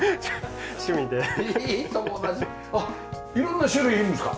あっ色んな種類いるんですか？